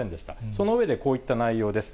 その上で、こういった内容です。